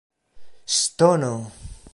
ŝtono